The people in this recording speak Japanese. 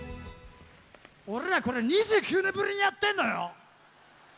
俺らこれ、２９年ぶりにやってんのよ！